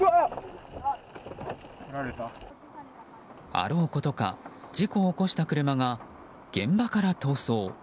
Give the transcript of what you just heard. あろうことか事故を起こした車が現場から逃走。